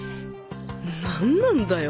何なんだよ？